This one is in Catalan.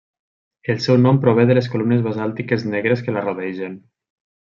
El seu nom prové de les columnes basàltiques negres que la rodegen.